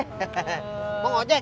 enggak mau ojek